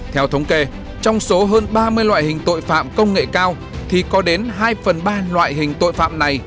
theo thống kê trong số hơn ba mươi loại hình tội phạm công nghệ cao thì có đến hai phần ba loại hình tội phạm này